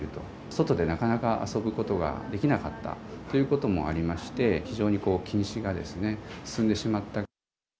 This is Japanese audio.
外でなかなか遊ぶことができなかったということもありまして、非常に近視が進んでしまった。